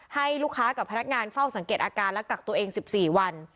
ให้ลูกค้ากับพนักงานเฝ้าสังเกตอาการและกักตัวเอง๑๔วัน